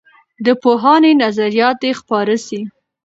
د پوهانو نظریات دې خپاره سي.